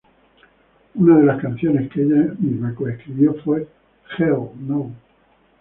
Una de las canciones que ella misma co-escribió fue ""Hell, No!